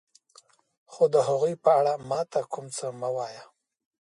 خو د هغوی په اړه ما ته کوم څه مه وایه.